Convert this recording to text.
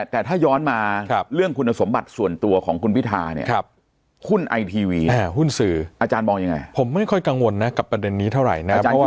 แต่ถ้าย้อนมาเรื่องคุณสมบัติส่วนตัวของคุณวิทาเนี่ย